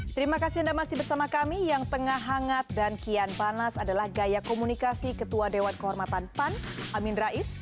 terima kasih anda masih bersama kami yang tengah hangat dan kian panas adalah gaya komunikasi ketua dewan kehormatan pan amin rais